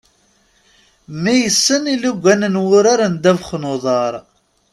Mmi yessen ilugan n wurar n ddabex n uḍar.